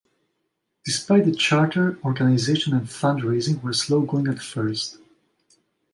Despite the charter, organization and fund raising were slow going at first.